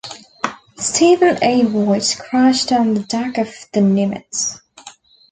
Steven E. White, crashed on the deck of the "Nimitz".